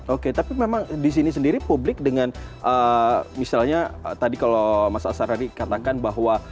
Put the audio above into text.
oke tapi memang di sini sendiri publik dengan misalnya tadi kalau mas asaradi katakan bahwa